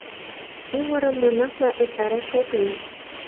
— Ӱмырым монахла эртараш ок лий.